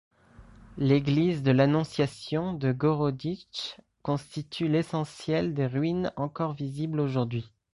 L'Église de l'Annonciation de Gorodichtche constitue l'essentiel des ruines encore visibles aujourd'hui.